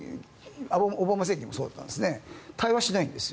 オバマ政権もそうだったんです対話しないんです。